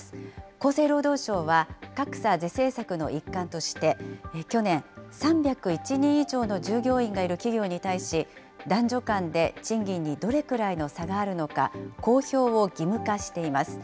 厚生労働省は、格差是正策の一環として、去年、３０１人以上の従業員がいる企業に対し、男女間で賃金にどれくらいの差があるのか、公表を義務化しています。